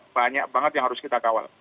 banyak banget yang harus kita kawal